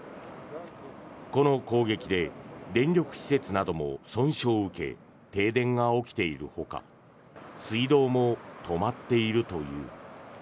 この攻撃で電力施設なども損傷を受け停電が起きているほか水道も止まっているという。